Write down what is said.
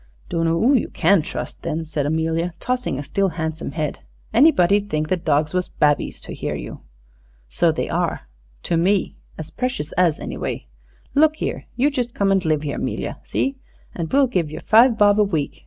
"Dunno oo you can trust then," said Amelia, tossing a still handsome head. "Anybody 'ud think the dogs was babbies, to hear you." "So they are to me as precious as, anyway. Look here, you just come and live 'ere, 'Melia see? An' we'll give yer five bob a week.